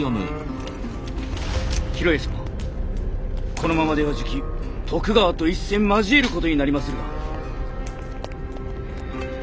このままではじき徳川と一戦交えることになりまするが。